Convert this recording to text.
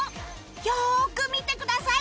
よーく見てください